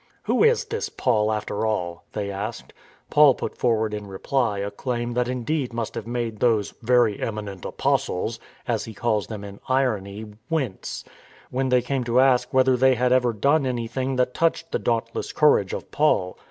"Who is this Paul after all?" they asked, Paul put forward in reply a claim that indeed must have made those " very eminent apostles " (as he calls them in irony) ^ wince, when they came to ask whether they had ever done anything that touched the dauntless courage of Paul.